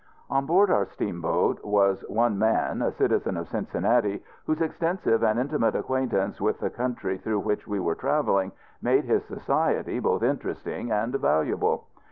On board our steamboat was one man, a citizen of Cincinnati, whose extensive and intimate acquaintance with the country through which we were traveling made his society both interesting and valuable.